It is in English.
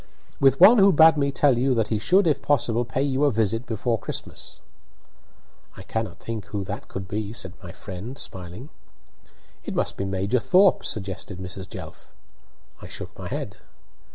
"With one who bade me tell you that he should, if possible, pay you a visit before Christmas." "I cannot think who that could be," said my friend, smiling. "It must be Major Thorp," suggested Mrs. Jelf. I shook my head.